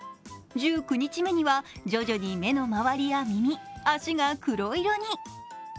１９日目には徐々に目の周りや耳、足が黒色に。